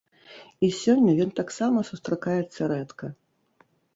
І сёння ён таксама сустракаецца рэдка.